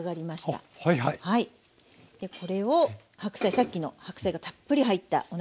でこれをさっきの白菜がたっぷり入ったお鍋